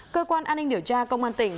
cơ quan an ninh điều tra công an tỉnh